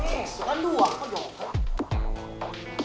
nih bukan dua kok jokotan